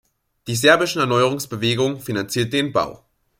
Die Serbischen Erneuerungsbewegung finanzierte den Bau.